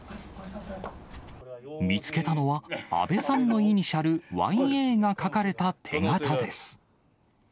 見つけたのは、阿部さんのイニシャル、Ｙ．Ａが書かれた手形です。